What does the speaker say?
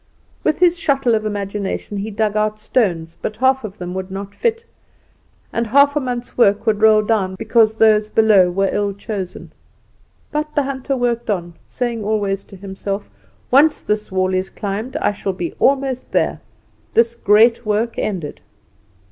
With his shuttle of imagination he dug out stones; but half of them would not fit, and half a month's work would roll down because those below were ill chosen. But the hunter worked on, saying always to himself, 'Once this wall climbed, I shall be almost there. This great work ended!